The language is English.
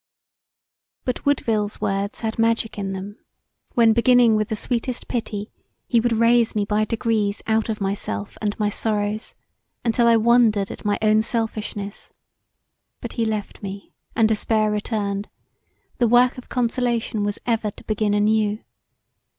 But Woodville's words had magic in them, when beginning with the sweetest pity, he would raise me by degrees out of myself and my sorrows until I wondered at my own selfishness: but he left me and despair returned; the work of consolation was ever to begin anew.